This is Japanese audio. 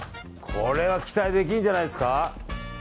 これは期待できるんじゃないですか。